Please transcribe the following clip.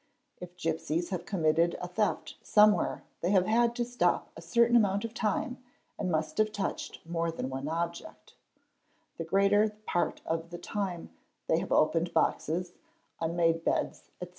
If | gipsies have committed a theft somewhere they have had to stop a certain amount of time and must have touched more than one object; the greater part of the time they have opened boxes, unmade beds, etc.